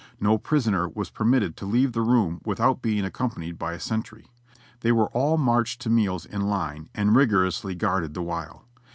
No prisoner was permitted to leave the room without being accompanied by a sentry. They were all marched to meals in line and rigorously guarded the while.